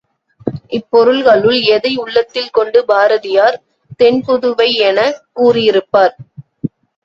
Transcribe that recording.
இப் பொருள்களுள் எதை உள்ளத்தில் கொண்டு பாரதியார் தென்புதுவை எனக் கூறியிருப்பார்?